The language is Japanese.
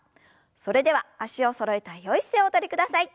それでは脚をそろえたよい姿勢をおとりください。